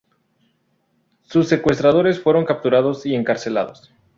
Sus secuestradores fueron capturados y encarcelados.